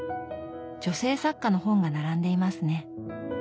女性作家の本が並んでいますね。